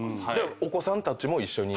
お子さんたちも一緒に？